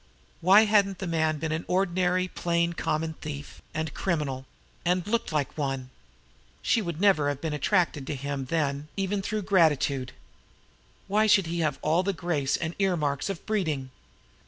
Why hadn't the man been an ordinary, plain, common thief and criminal and looked like one? She would never have been attracted to him then even through gratitude! Why should he have all the graces and ear marks of breeding?